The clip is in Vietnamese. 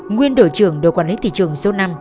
nguyên đội trưởng đội quản lý thị trường số năm